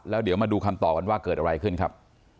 แล้วเดี๋ยวมาดูคำตอบกันว่าเกิดอะไรขึ้นครับ